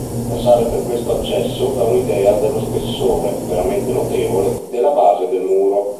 Passare per questo accesso dà un'idea dello spessore, veramente notevole, della base del muro.